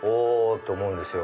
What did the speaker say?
っと思うんですよ。